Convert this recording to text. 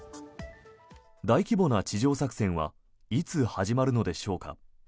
大規模な地上作戦はいつ始まるのでしょうか。